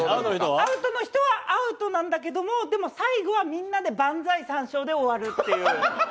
アウトの人はアウトなんだけどもでも最後はみんなで万歳三唱で終わるっていう。